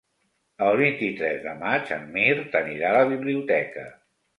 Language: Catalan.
El vint-i-tres de maig en Mirt anirà a la biblioteca.